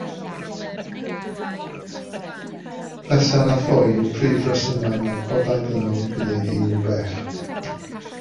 Pleser a phoen yw'r prif resymau mae bodau dynol yn gwneud unrhyw beth.